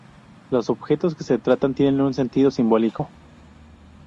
Los objetos que se retratan tienen sentido simbólico.